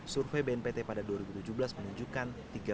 survei bnpt pada dua ribu tujuh belas menunjukkan